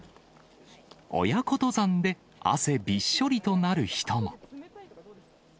親子登山で汗びっしょりとなる人も。